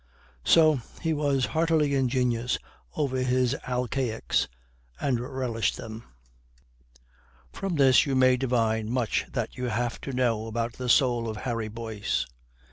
So he was heartily ingenious over his alcaics, and relished them. From this you may divine much that you have to know about the soul of Harry Boyce.